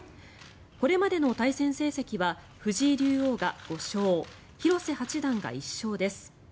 これまでの対戦成績は藤井竜王が５勝広瀬八段が１勝です。